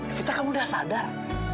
evita kamu sudah sadar